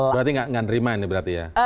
berarti gak ngandriman ya berarti ya